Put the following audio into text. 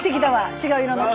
違う色の子。